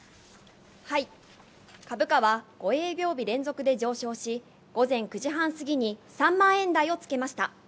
株価は５営業日連続で上昇し、午前９時半過ぎに３万円台をつけました。